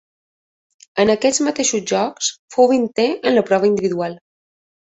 En aquests mateixos Jocs fou vintè en la prova individual.